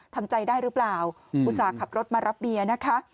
ทำใจได้หรือเปล่าอุตส่าห์ขับรถมารับเมียนะคะ